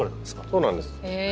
そうなんです。